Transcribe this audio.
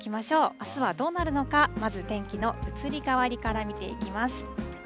あすはどうなるのか、まず天気の移り変わりから見ていきます。